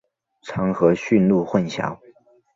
常和驯鹿混淆。